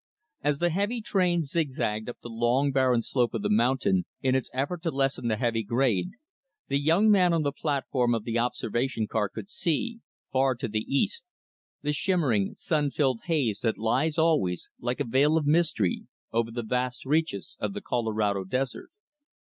As the heavy train zigzagged up the long, barren slope of the mountain, in its effort to lessen the heavy grade, the young man on the platform of the observation car could see, far to the east, the shimmering, sun filled haze that lies, always, like a veil of mystery, over the vast reaches of the Colorado Desert.